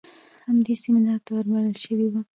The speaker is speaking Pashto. هم دې سمينار ته ور بلل شوى و.